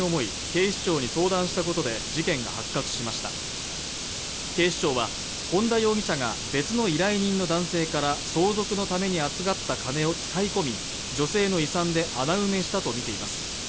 警視庁に相談したことで事件が発覚しました警視庁は本田容疑者が別の依頼人の男性から相続のために預かった金を使い込み女性の遺産で穴埋めしたとみています